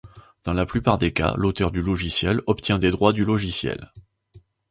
Dans la plupart des cas, l'auteur du logiciel obtient des droits du logiciel.